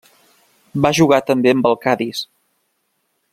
Va jugar també amb el Cadis.